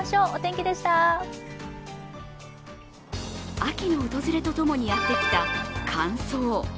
秋の訪れと共にやってきた乾燥。